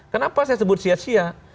kenapa saya sebut sia sia